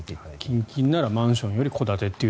近々ならマンションより戸建てという。